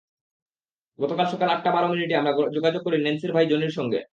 গতকাল সকাল আটটা বারো মিনিটে আমরা যোগাযোগ করি ন্যান্সির ভাই জনির সঙ্গে।